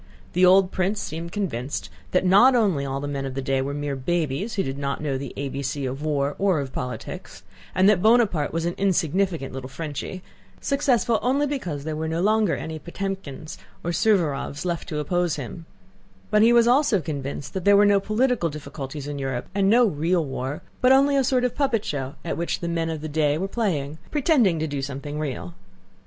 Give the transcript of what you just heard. The old prince seemed convinced not only that all the men of the day were mere babies who did not know the A B C of war or of politics, and that Bonaparte was an insignificant little Frenchy, successful only because there were no longer any Potëmkins or Suvórovs left to oppose him; but he was also convinced that there were no political difficulties in Europe and no real war, but only a sort of puppet show at which the men of the day were playing, pretending to do something real.